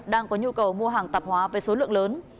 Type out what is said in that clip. đang có nhu cầu mua hàng tạp hóa với số lượng lớn